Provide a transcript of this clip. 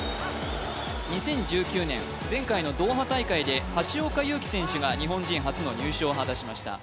２０１９年前回のドーハ大会で橋岡優輝選手が日本人初の入賞を果たしました